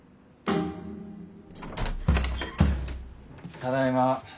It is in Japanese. ただいま。